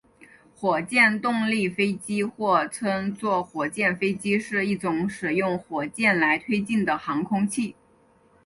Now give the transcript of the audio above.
火箭动力飞机或称作火箭飞机是一种使用火箭来推进的航空器。